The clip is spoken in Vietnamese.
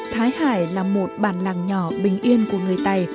thái hải là một bản làng nhỏ bình yên của người tày